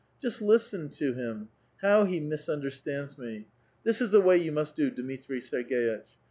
Just listen to him ! How he misuuderstauds me ! This is the wa3' 3'ou must do, Dmitri Serg^itch.